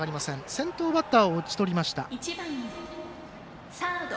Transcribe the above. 先頭バッターを打ち取りました。